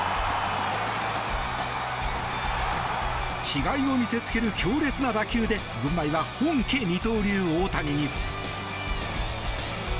違いを見せつける強烈な打球で軍配は本家二刀流・大谷に。